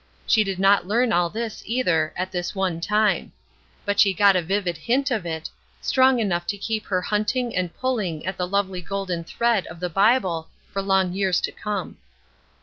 She did not learn all this, either, at this one time; but she got a vivid hint of it, strong enough to keep her hunting and pulling at the lovely golden thread of the Bible for long years to come.